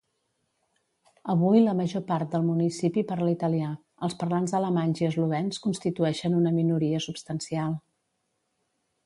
Avui la major part del municipi parla italià; els parlants alemanys i eslovens constitueixen una minoria substancial.